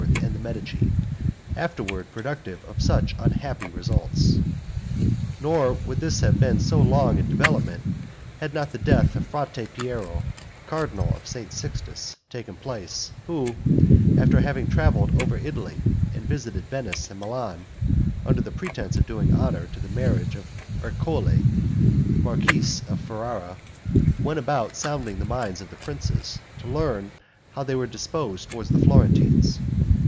and the Medici afterward productive of such unhappy results. Nor would this have been so long in development had not the death of Frate Piero, cardinal of St. Sixtus, taken place; who, after having traveled over Italy and visited Venice and Milan (under the pretense of doing honor to the marriage of Ercole, marquis of Ferrara), went about sounding the minds of the princes, to learn how they were disposed toward the Florentines.